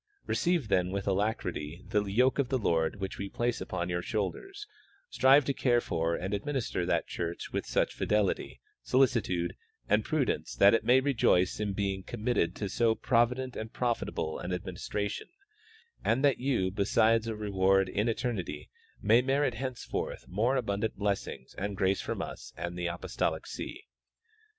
Receive, then, with alacrity the yoke of the Lord Avhich Ave place on your shoulders ; strive to care for and administer that church Avith such fidelity, solicitude and prudence that it may rejoice in being commit ted to so proAddent and profitable an administration, and that you, besides a rcAvard in eternity, may merit henceforth more abundant blessings and grace from us and the apostolic see.